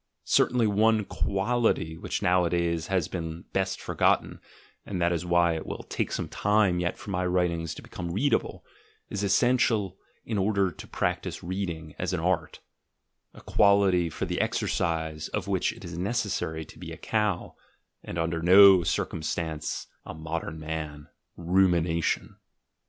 Certainly one quality which nowadays has been best forgotten— and that is why it will take some time yet for my writings to become readable — is essential in order to practise read ing as an art — a quality for the exercise of which it is xii PREFACE necessary to be a cow, and under no circumstances a modern man! — rumination.